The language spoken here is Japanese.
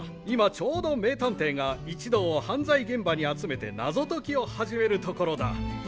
今ちょうど名探偵が一同を犯罪現場に集めて謎解きを始めるところだ。